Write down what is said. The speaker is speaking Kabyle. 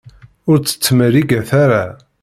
Ur tt-ttmerriget ara!